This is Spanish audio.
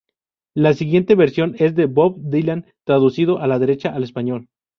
La siguiente versión es de Bob Dylan, traducido a la derecha al español.